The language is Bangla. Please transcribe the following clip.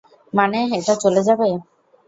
মানে, এটা চলে যাবে।